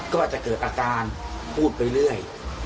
ก็จะเกิดอาการพูดไปเรื่อย